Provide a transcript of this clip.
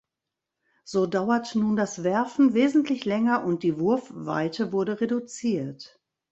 So dauert nun das Werfen wesentlich länger und die Wurfweite wurde reduziert.